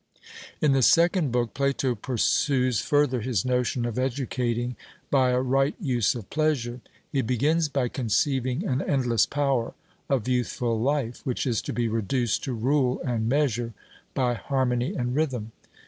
In the second book, Plato pursues further his notion of educating by a right use of pleasure. He begins by conceiving an endless power of youthful life, which is to be reduced to rule and measure by harmony and rhythm.